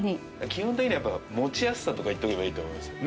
基本的には「持ちやすさ」とか言っとけばいいと思いますよ。